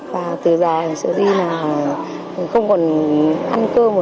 và từ giờ sẽ đi là không còn ăn cơm